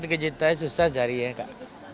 sekarang tiga juta susah cari ya kak